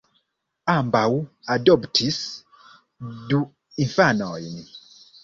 Ambaŭ adoptis du infanojn.